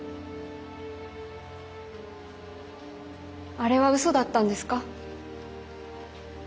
あれはうそだったんですか？